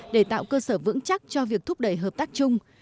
để tạo cơ sở vững chắc cho việc thúc đẩy hợp tác chung